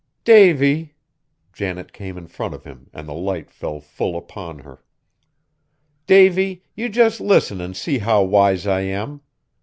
"Davy!" Janet came in front of him and the light fell full upon her. "Davy, you just listen and see how wise I am!